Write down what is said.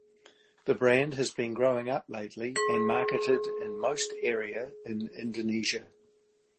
This brand has been growing up lately and marketed in most area in Indonesia.